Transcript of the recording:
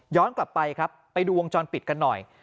กลับไปครับไปดูวงจรปิดกันหน่อย